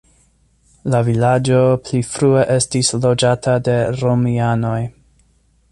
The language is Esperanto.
La vilaĝo pli frue estis loĝata de romianoj.